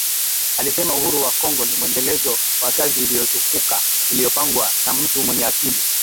Alisema Uhuru wa Kongo ni mwendelezo wa kazi iliyotukuka iliyopangwa na mtu mwenye akili